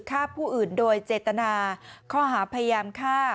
ฆ่าผู้อื่นโดยเจตนาข้อหาพยายามฆ่า